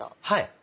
はい。